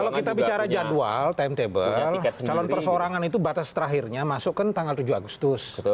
kalau kita bicara jadwal timetable calon perseorangan itu batas terakhirnya masuk kan tanggal tujuh agustus